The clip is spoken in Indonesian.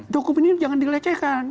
dokumen ini jangan dilecehkan